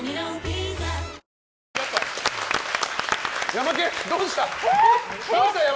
ヤマケン、どうした？